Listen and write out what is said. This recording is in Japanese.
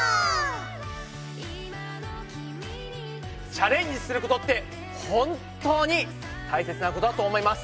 チャレンジすることって本当に大切なことだと思います。